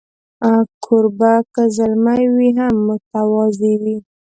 کوربه که زلمی وي، هم متواضع وي.